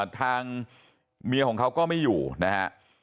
ทางเมียของเขาก็ไม่อยู่นะฮะ